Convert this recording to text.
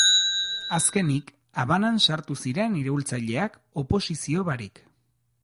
Azkenik, Habanan sartu ziren iraultzaileak oposizio barik.